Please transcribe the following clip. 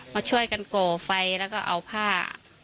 มาช่วยกันก่อไฟแล้วก็เอาผ้า